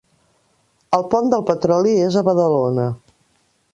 El pont del Petroli és a Badalona